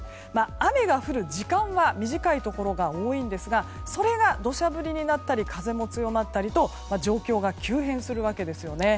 雨が降る時間は短いところが多いですがそれが土砂降りになったり風も強まったりと状況が急変するわけですよね。